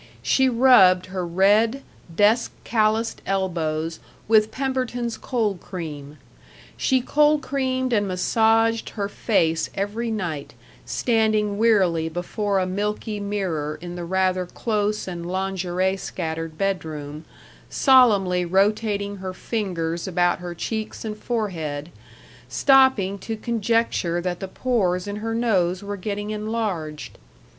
She rubbed her red, desk calloused elbows with Pemberton's cold cream. She cold creamed and massaged her face every night, standing wearily before a milky mirror in the rather close and lingerie scattered bedroom, solemnly rotating her fingers about her cheeks and forehead, stopping to conjecture that the pores in her nose were getting enlarged.